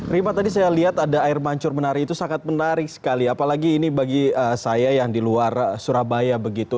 rima tadi saya lihat ada air mancur menari itu sangat menarik sekali apalagi ini bagi saya yang di luar surabaya begitu